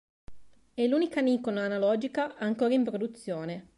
È l'unica Nikon analogica ancora in produzione.